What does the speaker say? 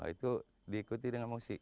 itu diikuti dengan musik